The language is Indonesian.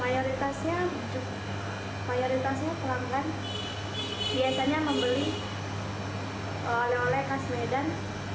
mayoritasnya mayoritasnya pelanggan biasanya membeli oleh oleh khas medan